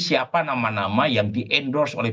siapa nama nama yang di endorse oleh